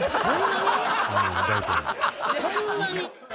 そんなに？